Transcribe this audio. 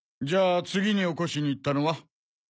じゃあ次に起こしに行ったのは？